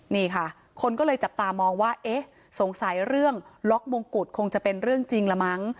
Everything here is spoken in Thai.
นี่ค่ะคนก็เลยจับตามองว่าเอ๊ะสงสัยเรื่องล็อกมงกุฎคงจะเป็นเรื่องจริงละมั้ง